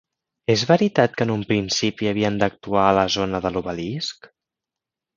És veritat que en un principi havien d'actuar a la zona de l'obelisc?